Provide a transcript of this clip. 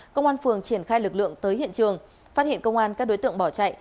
công an phường triển khai lực lượng tới hiện trường phát hiện công an các đối tượng bỏ chạy